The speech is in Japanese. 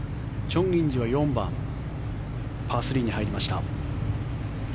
チョン・インジは４番、パー３に入りました。